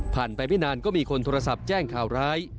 ไปไม่นานก็มีคนโทรศัพท์แจ้งข่าวร้าย